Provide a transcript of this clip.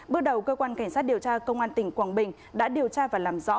bước đầu cơ quan cảnh sát điều tra công an tỉnh quảng bình đã điều tra và làm rõ